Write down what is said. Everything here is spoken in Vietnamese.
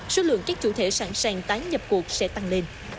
số lượng các chủ thể sẵn sàng tái nhập cuộc sẽ tăng lên